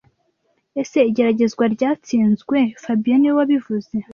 Ese Igeragezwa ryatsinzwe fabien niwe wabivuze